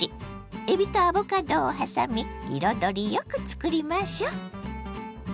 えびとアボカドをはさみ彩りよくつくりましょ。